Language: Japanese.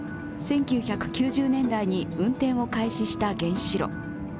１９９０年代に運転を開始した原子炉。